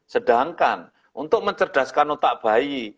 sedangkan untuk mencerdaskan otak bayi